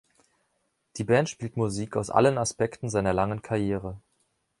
Die Band spielt Musik aus allen Aspekten seiner langen Karriere.